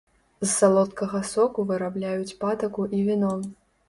З салодкага соку вырабляюць патаку і віно.